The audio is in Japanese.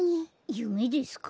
ゆめですか？